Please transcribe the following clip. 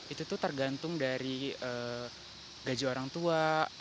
itu tuh tergantung dari gaji orang tua